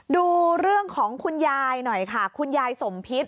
ดูเรื่องของคุณยายหน่อยค่ะคุณยายสมพิษ